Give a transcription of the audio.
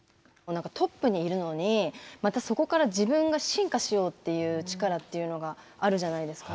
トップにいるのに、またそこから自分が進化しようっていう力っていうのがあるじゃないですか。